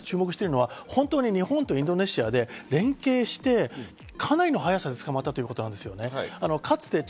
今回注目しているのは本当に日本とインドネシアで連携して、かなりの早さで捕まったということ。